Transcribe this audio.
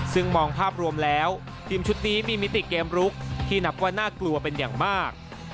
ซึ่งมองภาพรวมแล้วทีมชุดนี้มีมิติเกมลุกที่นับว่าน่ากลัวเป็นอย่างมาก